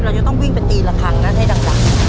เราจะต้องวิ่งไปตีละครั้งนั้นให้ดัง